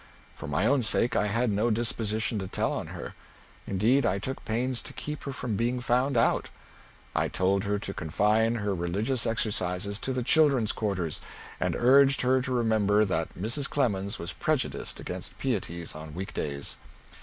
For my own sake, I had no disposition to tell on her. Indeed I took pains to keep her from being found out. I told her to confine her religious exercises to the children's quarters, and urged her to remember that Mrs. Clemens was prejudiced against pieties on week days.